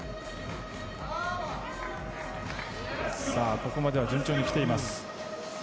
ここまで順調にきています。